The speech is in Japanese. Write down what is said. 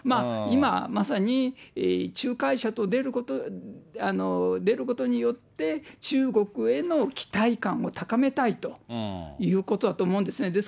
今まさに、仲介者と出ることによって、中国への期待感も高めたいということだと思うんですね。